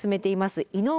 井上